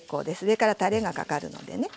上からたれがかかるのでね。